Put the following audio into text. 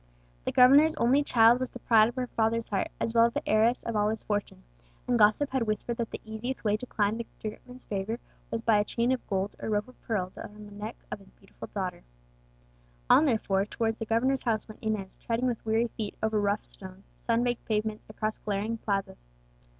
The governor's only child was the pride of her father's heart, as well as the heiress of all his fortune; and gossip had whispered that the easiest way to climb to the great man's favour was by a chain of gold or rope of pearl round the neck of his beautiful daughter. On, therefore, towards the governor's house went Inez, treading with weary feet over rough stones, sun baked pavements, across glaring plazas.